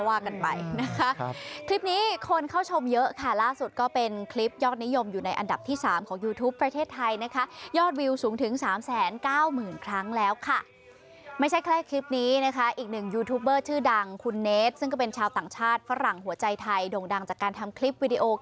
ว่ากันไปนะคะคลิปนี้คนเข้าชมเยอะค่ะล่าสุดก็เป็นคลิปยอดนิยมอยู่ในอันดับที่สามของยูทูปประเทศไทยนะคะยอดวิวสูงถึงสามแสนเก้าหมื่นครั้งแล้วค่ะไม่ใช่แค่คลิปนี้นะคะอีกหนึ่งยูทูปเบอร์ชื่อดังคุณเนสซึ่งก็เป็นชาวต่างชาติฝรั่งหัวใจไทยโด่งดังจากการทำคลิปวิดีโอค